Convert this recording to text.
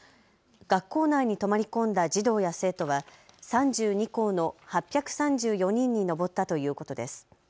学校内に泊まり込んだ児童や生徒は３２校の８３４人に上ったということです。